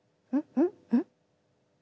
うん？